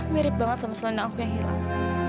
mirip banget sama selendangku yang hilang